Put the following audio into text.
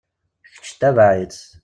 Kečč ttabaɛ-itt.